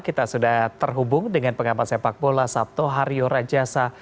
kita sudah terhubung dengan pengamat sepak bola sabto hario rajasa